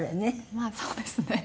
まあそうですね。